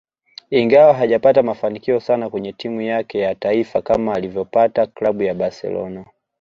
Ingawa hajapata mafanikio sana kwenye timu yake ya taifa kama alivyopata Klabu ya Barcelona